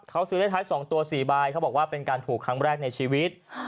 เขาซื้อเลขท้าย๒ตัว๔ใบเขาบอกว่าเป็นการถูกครั้งแรกในชีวิต